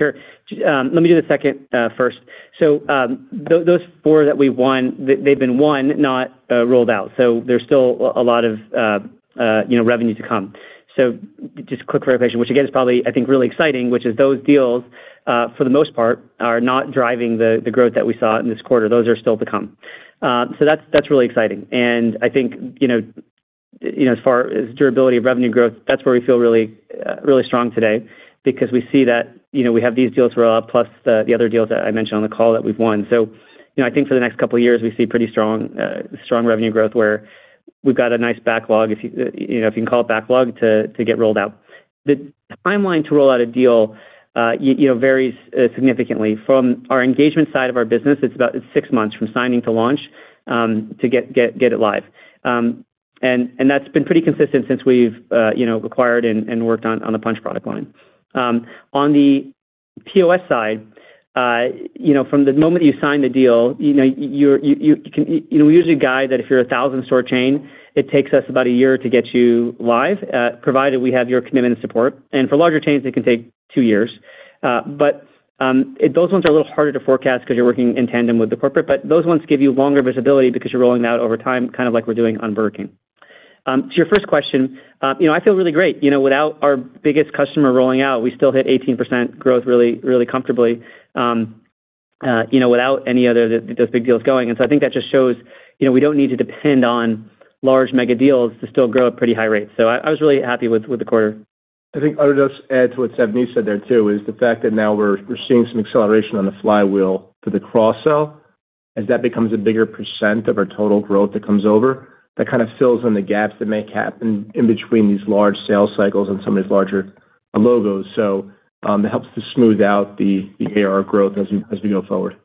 [SPEAKER 3] Sure. Let me do the second first. Those four that we won, they've been won, not rolled out. There's still a lot of revenue to come. Just quick clarification, which again is probably, I think, really exciting, which is those deals, for the most part, are not driving the growth that we saw in this quarter. Those are still to come. That's really exciting. I think as far as durability of revenue growth, that's where we feel really strong today because we see that we have these deals roll out plus the other deals that I mentioned on the call that we've won. I think for the next couple of years, we see pretty strong revenue growth where we've got a nice backlog, if you can call it backlog, to get rolled out. The timeline to roll out a deal varies significantly. From our engagement side of our business, it's about six months from signing to launch to get it live. That's been pretty consistent since we've acquired and worked on the Punch product line. On the POS side, from the moment you sign the deal, we usually guide that if you're a 1,000-store chain, it takes us about a year to get you live, provided we have your commitment and support. For larger chains, it can take two years. Those ones are a little harder to forecast because you're working in tandem with the corporate. Those ones give you longer visibility because you're rolling out over time, kind of like we're doing on Burger King. To your first question, I feel really great. Without our biggest customer rolling out, we still hit 18% growth really comfortably without any of those big deals going. I think that just shows we don't need to depend on large mega deals to still grow at pretty high rates. I was really happy with the quarter.
[SPEAKER 4] I think I would just add to what Savneet said there too is the fact that now we're seeing some acceleration on the flywheel for the cross-sell as that becomes a bigger percent of our total growth that comes over. That kind of fills in the gaps that may happen in between these large sales cycles and some of these larger logos. It helps to smooth out the ARR growth as we go forward.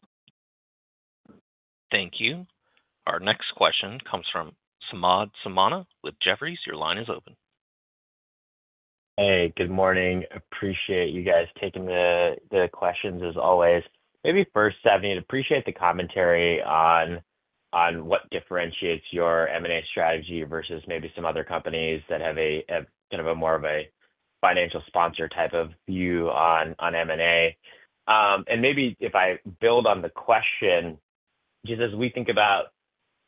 [SPEAKER 1] Thank you. Our next question comes from Samad Samana with Jefferies. Your line is open.
[SPEAKER 9] Hey, good morning. Appreciate you guys taking the questions as always. Maybe first, Savneet, I'd appreciate the commentary on what differentiates your M&A strategy versus maybe some other companies that have kind of a more of a financial sponsor type of view on M&A. Maybe if I build on the question, just as we think about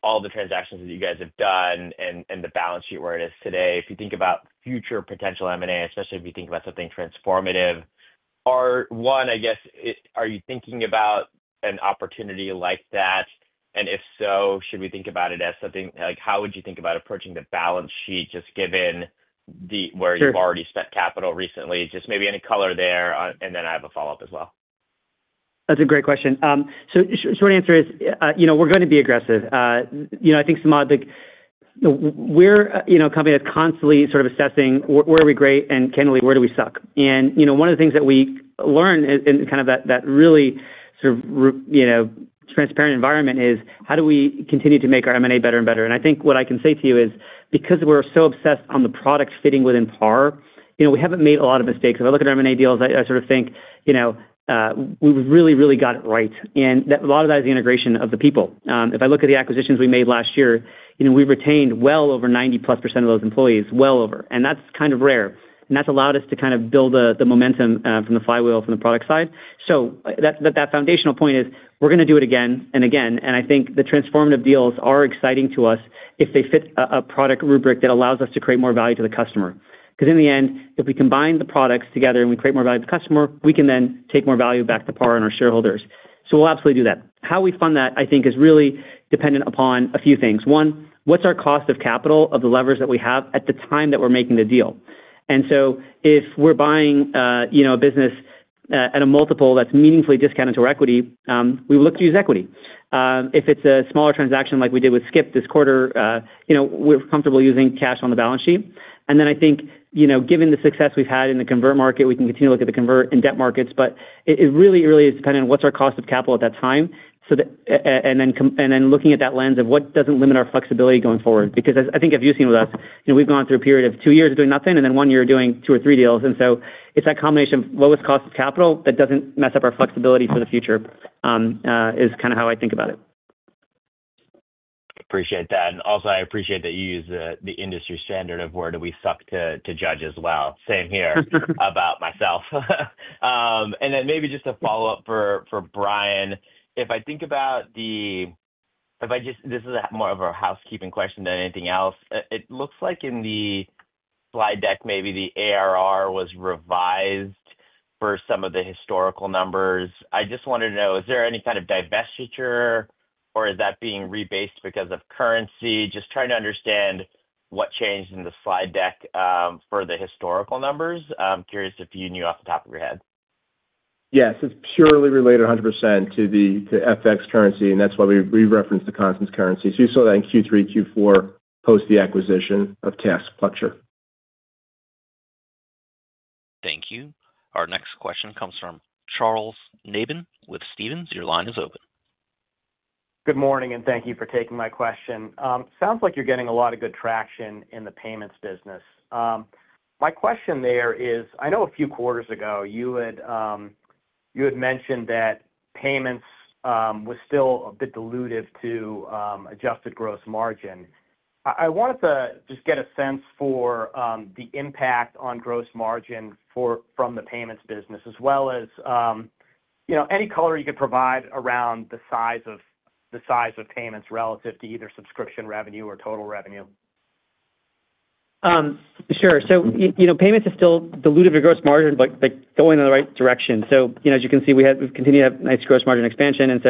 [SPEAKER 9] all the transactions that you guys have done and the balance sheet where it is today, if you think about future potential M&A, especially if you think about something transformative, one, I guess, are you thinking about an opportunity like that? If so, should we think about it as something like how would you think about approaching the balance sheet just given where you've already spent capital recently? Maybe any color there. I have a follow-up as well.
[SPEAKER 3] That's a great question. Short answer is we're going to be aggressive. I think, Samad, we're a company that's constantly sort of assessing where are we great and generally, where do we suck? One of the things that we learn in kind of that really sort of transparent environment is how do we continue to make our M&A better and better? I think what I can say to you is because we're so obsessed on the product fitting within PAR, we haven't made a lot of mistakes. If I look at our M&A deals, I sort of think we've really, really got it right. A lot of that is the integration of the people. If I look at the acquisitions we made last year, we retained well over 90+% of those employees, well over. That is kind of rare. That has allowed us to kind of build the momentum from the flywheel from the product side. That foundational point is we're going to do it again and again. I think the transformative deals are exciting to us if they fit a product rubric that allows us to create more value to the customer. Because in the end, if we combine the products together and we create more value to the customer, we can then take more value back to PAR and our shareholders. We will absolutely do that. How we fund that, I think, is really dependent upon a few things. One, what's our cost of capital of the levers that we have at the time that we're making the deal? If we're buying a business at a multiple that's meaningfully discounted to our equity, we look to use equity. If it's a smaller transaction like we did with GoSkip this quarter, we're comfortable using cash on the balance sheet. I think given the success we've had in the convert market, we can continue to look at the convert and debt markets. It really is dependent on what's our cost of capital at that time. Looking at that lens of what doesn't limit our flexibility going forward. I think if you've seen with us, we've gone through a period of two years of doing nothing and then one year of doing two or three deals. It's that combination of lowest cost of capital that doesn't mess up our flexibility for the future is kind of how I think about it.
[SPEAKER 9] Appreciate that. Also, I appreciate that you use the industry standard of where do we suck to judge as well. Same here about myself. Maybe just a follow-up for Bryan. If I think about the—this is more of a housekeeping question than anything else. It looks like in the slide deck, maybe the ARR was revised for some of the historical numbers. I just wanted to know, is there any kind of divestiture, or is that being rebased because of currency? Just trying to understand what changed in the slide deck for the historical numbers. I'm curious if you knew off the top of your head.
[SPEAKER 4] Yes. It's purely related 100% to FX currency. And that's why we reference the constant currency. You saw that in Q3, Q4 post the acquisition of Task Platform.
[SPEAKER 1] Thank you. Our next question comes from Charles Nabin with Stevens. Your line is open.
[SPEAKER 10] Good morning, and thank you for taking my question. Sounds like you're getting a lot of good traction in the payments business. My question there is, I know a few quarters ago you had mentioned that payments were still a bit dilutive to adjusted gross margin. I wanted to just get a sense for the impact on gross margin from the payments business, as well as any color you could provide around the size of payments relative to either subscription revenue or total revenue.
[SPEAKER 3] Sure. Payments is still dilutive to gross margin, but going in the right direction. As you can see, we've continued to have nice gross margin expansion.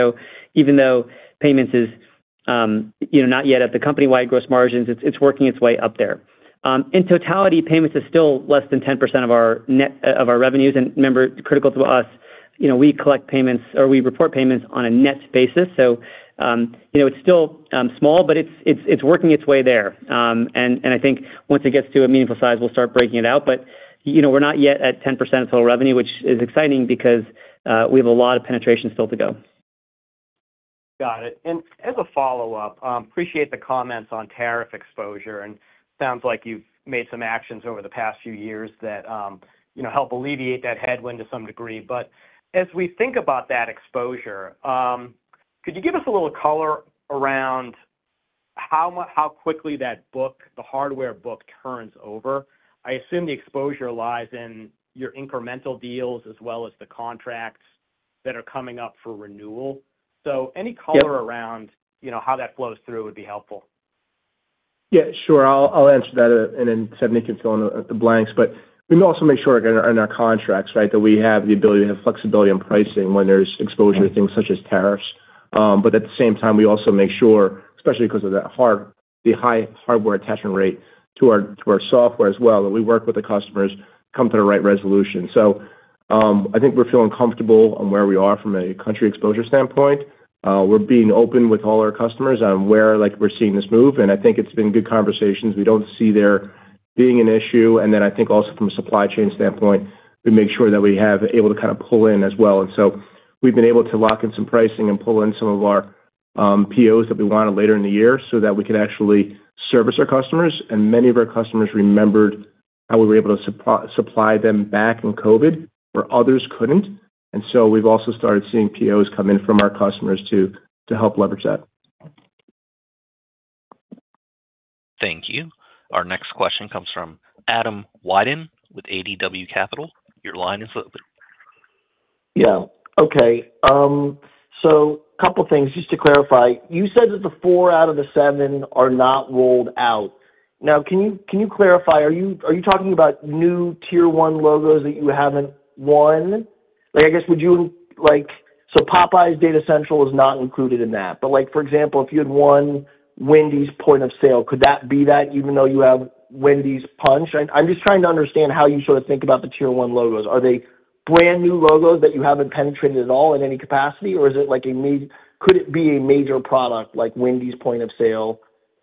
[SPEAKER 3] Even though payments is not yet at the company-wide gross margins, it's working its way up there. In totality, payments is still less than 10% of our revenues. Remember, critical to us, we collect payments or we report payments on a net basis. It's still small, but it's working its way there. I think once it gets to a meaningful size, we'll start breaking it out. We're not yet at 10% of total revenue, which is exciting because we have a lot of penetrations still to go.
[SPEAKER 10] Got it. As a follow-up, appreciate the comments on tariff exposure. It sounds like you've made some actions over the past few years that help alleviate that headwind to some degree. As we think about that exposure, could you give us a little color around how quickly that book, the hardware book, turns over? I assume the exposure lies in your incremental deals as well as the contracts that are coming up for renewal. Any color around how that flows through would be helpful.
[SPEAKER 4] Yeah, sure. I'll answer that. Then Savneet can fill in the blanks. We also make sure in our contracts, right, that we have the ability to have flexibility in pricing when there's exposure to things such as tariffs. At the same time, we also make sure, especially because of the high hardware attachment rate to our software as well, that we work with the customers to come to the right resolution. I think we're feeling comfortable on where we are from a country exposure standpoint. We're being open with all our customers on where we're seeing this move. I think it's been good conversations. We don't see there being an issue. I think also from a supply chain standpoint, we make sure that we have been able to kind of pull in as well. We've been able to lock in some pricing and pull in some of our POs that we wanted later in the year so that we can actually service our customers. Many of our customers remembered how we were able to supply them back in COVID where others could not. We've also started seeing POs come in from our customers to help leverage that.
[SPEAKER 1] Thank you. Our next question comes from Adam Wyden with ADW Capital. Your line is open.
[SPEAKER 11] Yeah. Okay. A couple of things. Just to clarify, you said that the four out of the seven are not rolled out. Now, can you clarify? Are you talking about new tier one logos that you have not won? I guess would you like, so Popeyes Data Central is not included in that. For example, if you had won Wendy's Point of Sale, could that be that even though you have Wendy's Punch? I'm just trying to understand how you sort of think about the tier one logos. Are they brand new logos that you haven't penetrated at all in any capacity? Or is it like a—could it be a major product like Wendy's Point of Sale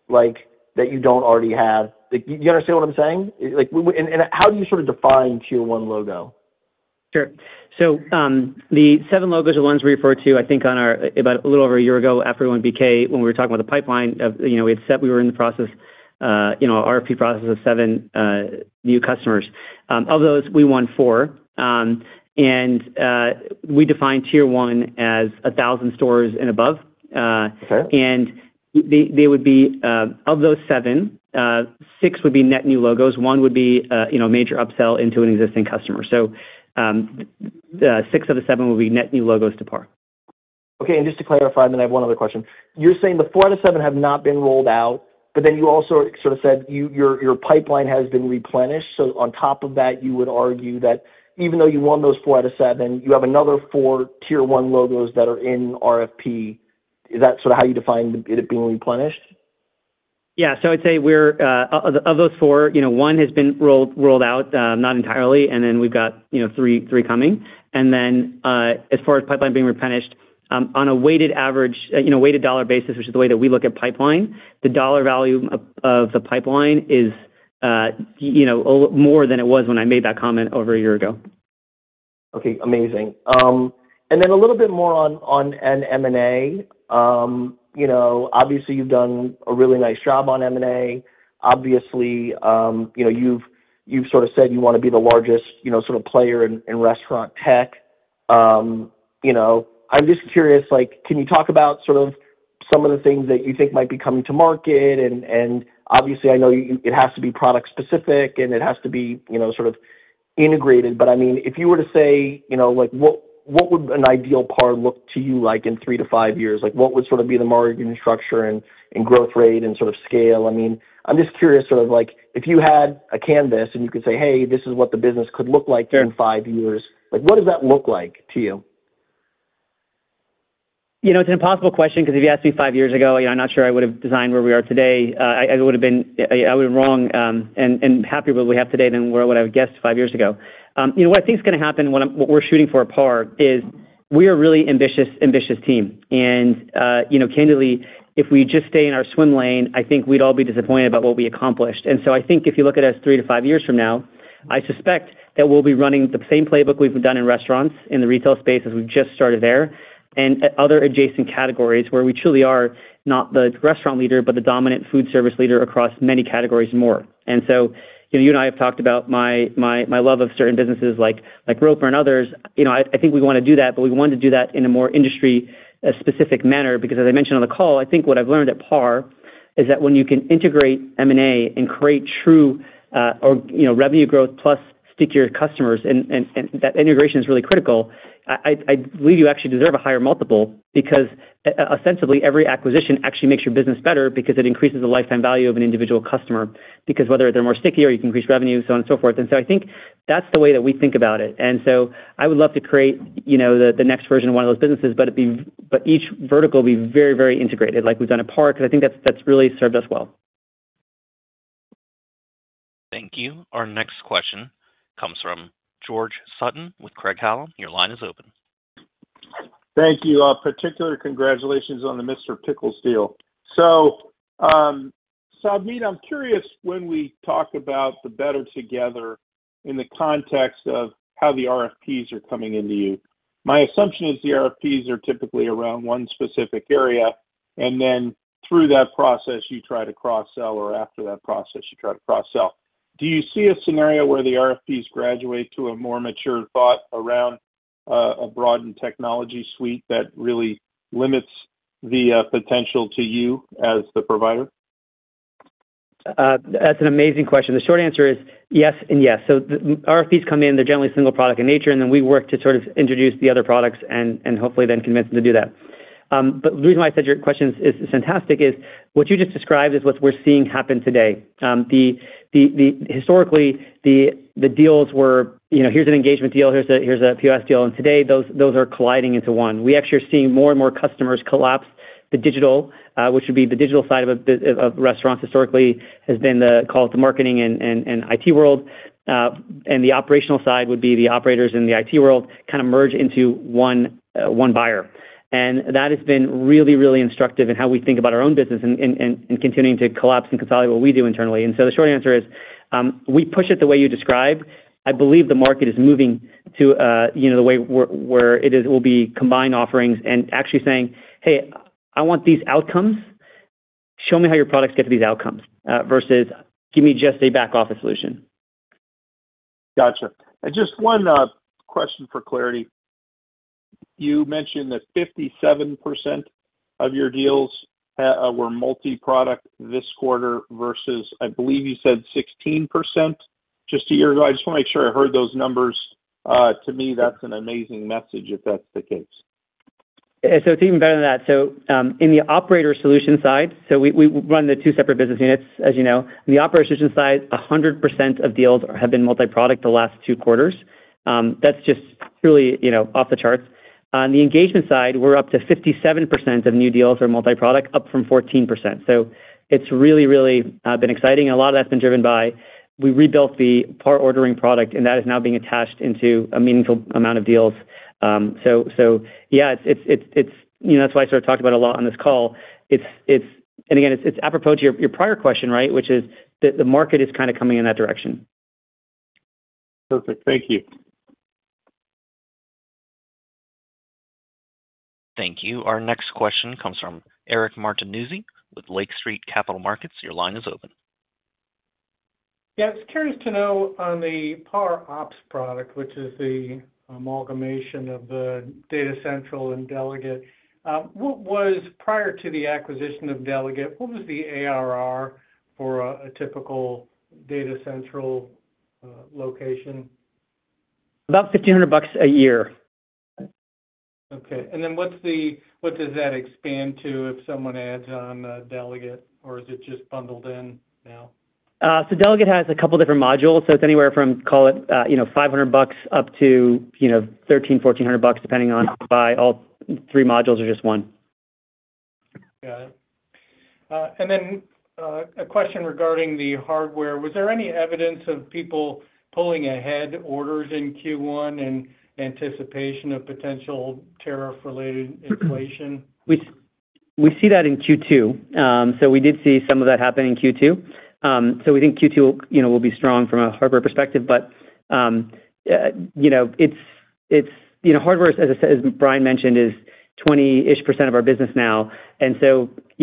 [SPEAKER 11] that you don't already have? Do you understand what I'm saying? How do you sort of define tier one logo?
[SPEAKER 3] Sure. The seven logos are the ones we referred to, I think, about a little over a year ago after we went BK when we were talking about the pipeline. We were in the process, RFP process of seven new customers. Of those, we won four. We define tier one as 1,000 stores and above. Of those seven, six would be net new logos. One would be a major upsell into an existing customer. Six of the seven would be net new logos to PAR.
[SPEAKER 11] Okay. Just to clarify, I have one other question. You're saying four out of seven have not been rolled out, but you also sort of said your pipeline has been replenished. On top of that, you would argue that even though you won those four out of seven, you have another four tier one logos that are in RFP. Is that sort of how you define it being replenished?
[SPEAKER 3] Yeah. I'd say of those four, one has been rolled out not entirely, and then we've got three coming. As far as pipeline being replenished, on a weighted dollar basis, which is the way that we look at pipeline, the dollar value of the pipeline is more than it was when I made that comment over a year ago.
[SPEAKER 11] Okay. Amazing. A little bit more on M&A. Obviously, you've done a really nice job on M&A. Obviously, you've sort of said you want to be the largest sort of player in restaurant tech. I'm just curious, can you talk about sort of some of the things that you think might be coming to market? I know it has to be product-specific, and it has to be sort of integrated. I mean, if you were to say, what would an ideal PAR look to you like in three to five years? What would sort of be the margin structure and growth rate and sort of scale? I mean, I'm just curious sort of if you had a canvas and you could say, "Hey, this is what the business could look like in five years." What does that look like to you?
[SPEAKER 3] It's an impossible question because if you asked me five years ago, I'm not sure I would have designed where we are today. I would have been wrong and happier with what we have today than what I would have guessed five years ago. What I think is going to happen, what we're shooting for at PAR, is we are a really ambitious team. Candidly, if we just stay in our swim lane, I think we'd all be disappointed about what we accomplished. I think if you look at us three to five years from now, I suspect that we'll be running the same playbook we've done in restaurants in the retail space as we've just started there, and other adjacent categories where we truly are not the restaurant leader, but the dominant food service leader across many categories more. You and I have talked about my love of certain businesses like Roper and others. I think we want to do that, but we want to do that in a more industry-specific manner. Because as I mentioned on the call, I think what I've learned at PAR is that when you can integrate M&A and create true revenue growth plus stickier customers, and that integration is really critical, I believe you actually deserve a higher multiple because ostensibly, every acquisition actually makes your business better because it increases the lifetime value of an individual customer. Because whether they're more sticky or you can increase revenue, so on and so forth. I think that's the way that we think about it. I would love to create the next version of one of those businesses, but each vertical would be very, very integrated like we've done at PAR. I think that's really served us well.
[SPEAKER 1] Thank you. Our next question comes from George Sutton with Craig Hallum. Your line is open.
[SPEAKER 12] Thank you. Particular congratulations on the Mr. Pickle's deal. Savneet, I'm curious when we talk about the better together in the context of how the RFPs are coming into you. My assumption is the RFPs are typically around one specific area, and then through that process, you try to cross-sell, or after that process, you try to cross-sell. Do you see a scenario where the RFPs graduate to a more mature thought around a broadened technology suite that really limits the potential to you as the provider?
[SPEAKER 3] That's an amazing question. The short answer is yes and yes. RFPs come in, they're generally single product in nature, and then we work to sort of introduce the other products and hopefully then convince them to do that. The reason why I said your question is fantastic is what you just described is what we're seeing happen today. Historically, the deals were, "Here's an engagement deal. Here's a POS deal." Today, those are colliding into one. We actually are seeing more and more customers collapse the digital, which would be the digital side of restaurants historically has been the marketing and IT world. The operational side would be the operators in the IT world kind of merge into one buyer. That has been really, really instructive in how we think about our own business and continuing to collapse and consolidate what we do internally. The short answer is we push it the way you describe. I believe the market is moving to the way where it will be combined offerings and actually saying, "Hey, I want these outcomes. Show me how your products get to these outcomes versus give me just a back-office solution."
[SPEAKER 12] Gotcha. Just one question for clarity. You mentioned that 57% of your deals were multi-product this quarter versus I believe you said 16% just a year ago. I just want to make sure I heard those numbers. To me, that's an amazing message if that's the case.
[SPEAKER 3] It's even better than that. In the operator solution side, we run the two separate business units, as you know. In the operator solution side, 100% of deals have been multi-product the last two quarters. That's just truly off the charts. On the engagement side, we're up to 57% of new deals are multi-product, up from 14%. It's really, really been exciting. A lot of that's been driven by we rebuilt the PAR ordering product, and that is now being attached into a meaningful amount of deals. Yeah, that's why I sort of talked about it a lot on this call. It is apropos to your prior question, right, which is that the market is kind of coming in that direction.
[SPEAKER 12] Perfect. Thank you.
[SPEAKER 1] Thank you. Our next question comes from Eric Martinuzzi with Lake Street Capital Markets. Your line is open.
[SPEAKER 13] Yeah. I was curious to know on the PAR OPS product, which is the amalgamation of the Data Central and Delegate. Prior to the acquisition of Delegate, what was the ARR for a typical Data Central location?
[SPEAKER 3] About $1,500 a year.
[SPEAKER 13] Okay. And then what does that expand to if someone adds on Delegate, or is it just bundled in now?
[SPEAKER 3] Delegate has a couple of different modules. It is anywhere from, call it, $500 up to $1,300-$1,400 depending on if you buy all three modules or just one.
[SPEAKER 13] Got it. And then a question regarding the hardware. Was there any evidence of people pulling ahead orders in Q1 in anticipation of potential tariff-related inflation?
[SPEAKER 3] We see that in Q2. We did see some of that happen in Q2. We think Q2 will be strong from a hardware perspective. Hardware, as Bryan mentioned, is 20% of our business now.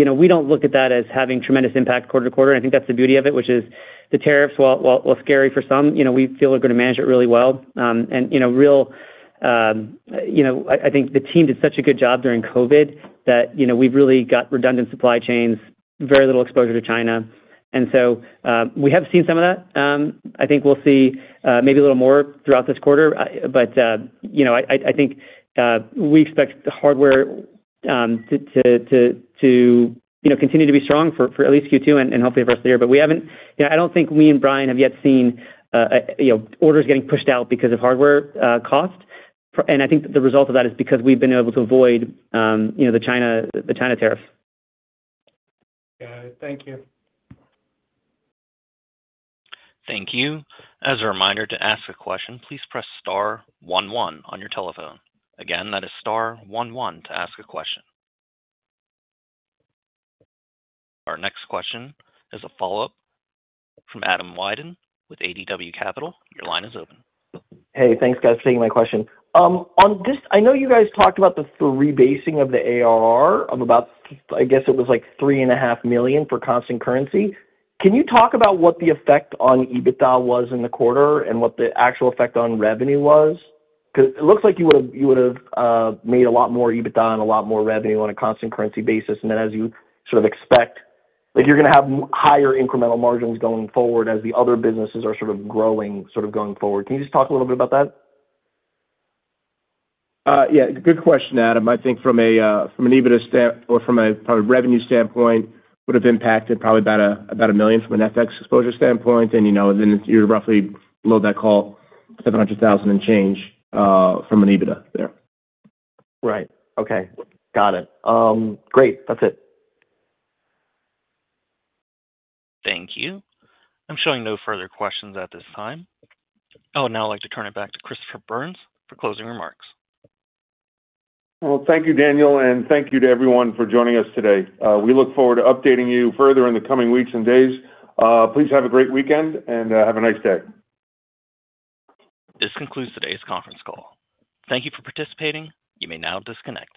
[SPEAKER 3] We do not look at that as having tremendous impact quarter to quarter. I think that is the beauty of it, which is the tariffs will scare you for some. We feel we are going to manage it really well. I think the team did such a good job during COVID that we have really got redundant supply chains, very little exposure to China. We have seen some of that. I think we will see maybe a little more throughout this quarter. I think we expect the hardware to continue to be strong for at least Q2 and hopefully the rest of the year. I do not think me and Bryan have yet seen orders getting pushed out because of hardware cost. I think the result of that is because we have been able to avoid the China tariffs.
[SPEAKER 13] Got it. Thank you.
[SPEAKER 1] Thank you. As a reminder to ask a question, please press star one one on your telephone. Again, that is star one one to ask a question. Our next question is a follow-up from Adam Wyden with ADW Capital. Your line is open.
[SPEAKER 11] Hey, thanks guys for taking my question. I know you guys talked about the rebasing of the ARR of about, I guess it was like $3.5 million for constant currency. Can you talk about what the effect on EBITDA was in the quarter and what the actual effect on revenue was? Because it looks like you would have made a lot more EBITDA and a lot more revenue on a constant currency basis. As you sort of expect, you're going to have higher incremental margins going forward as the other businesses are sort of growing sort of going forward. Can you just talk a little bit about that?
[SPEAKER 4] Yeah. Good question, Adam. I think from an EBITDA standpoint or from a revenue standpoint, it would have impacted probably about $1 million from an FX exposure standpoint. Then you're roughly below that, call it $700,000 and change from an EBITDA there.
[SPEAKER 11] Right. Okay. Got it. Great. That's it.
[SPEAKER 1] Thank you. I'm showing no further questions at this time. I would now like to turn it back to Christopher Byrnes for closing remarks.
[SPEAKER 2] Thank you, Daniel. And thank you to everyone for joining us today. We look forward to updating you further in the coming weeks and days. Please have a great weekend and have a nice day.
[SPEAKER 1] This concludes today's conference call. Thank you for participating. You may now disconnect.